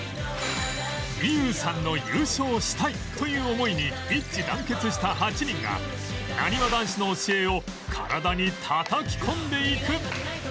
美優さんの「優勝したい！」という思いに一致団結した８人がなにわ男子の教えを体にたたき込んでいく